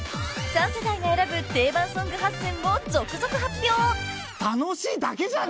［３世代が選ぶ定番ソング８選を続々発表！］